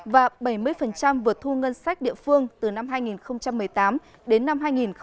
và bảy mươi vượt thu ngân sách địa phương từ năm hai nghìn một mươi tám đến năm hai nghìn một mươi chín